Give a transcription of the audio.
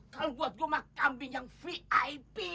kalo buat gua mah kambing yang vip